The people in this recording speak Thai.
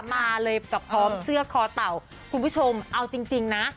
มาเลยกับพร้อมเสื้อคอเต่าคุณผู้ชมเอาจริงนะ